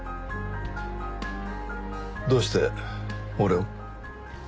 どうして俺を？